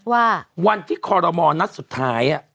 ว่าวันที่คอรมอลนัดสุดท้าย